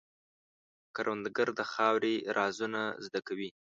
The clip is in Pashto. کروندګر د خاورې رازونه زده کوي